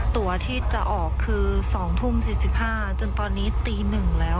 ตัวที่จะออกคือ๒ทุ่ม๔๕จนตอนนี้ตี๑แล้ว